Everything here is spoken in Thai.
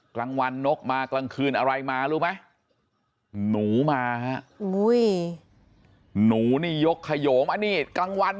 กลางวันนกมากลางคืนอะไรมารู้ไหมหนูมาฮะหนูนี่ยกขยงอันนี้กลางวัน